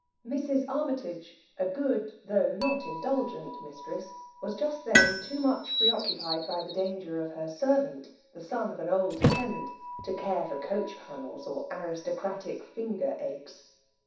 Mrs. Armytage, a good, though not indul gent mistress, was just then too much preoccu pied by the danger of her servant> the son ol an old tenant, to care for coach panels or Uristocratic finger aches.